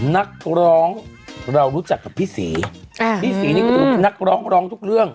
นักร้องเรารู้จักกับพี่สีพี่สีนี่คือทีรูปนักร้องรองทุกเรื่อง